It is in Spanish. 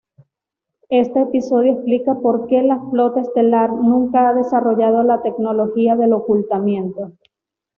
Este episodio explica porque la Flota Estelar nunca ha desarrollado la tecnología de ocultamiento.